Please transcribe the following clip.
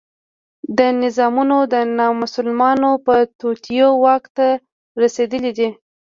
دا نظامونه د نامسلمانو په توطیو واک ته رسېدلي دي.